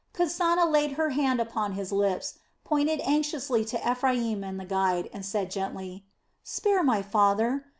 Kasana laid her hand upon his lips, pointed anxiously to Ephraim and the guide, and said gently: "Spare my father!